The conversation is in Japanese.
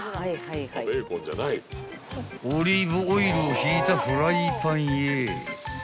［オリーブオイルを引いたフライパンへ］